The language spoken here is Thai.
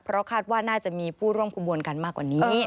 เพราะคาดว่าน่าจะมีผู้ร่วมขบวนกันมากกว่านี้